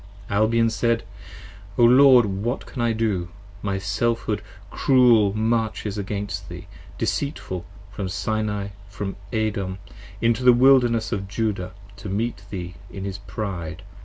Albion said. O Lord what can I do: my Selfhood cruel Marches against thee, deceitful, from Sinai & from Edom 10 Into the Wilderness of Judah to meet thee in his pride.